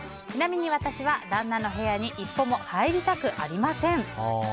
ちなみに私は旦那の部屋に一歩も入りたくありません。